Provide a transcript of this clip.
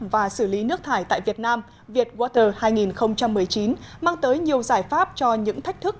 và xử lý nước thải tại việt nam vietwater hai nghìn một mươi chín mang tới nhiều giải pháp cho những thách thức